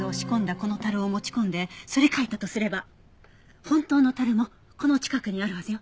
この樽を持ち込んですり替えたとすれば本当の樽もこの近くにあるはずよ。